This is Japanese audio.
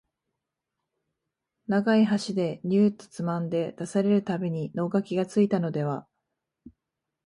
長い箸でニューッとつまんで出される度に能書がついたのでは、